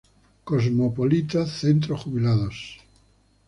Cosmopolita, Centro Jubilados.